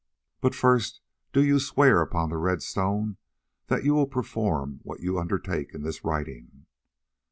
But first do you swear upon the red stone that you will perform what you undertake in this writing."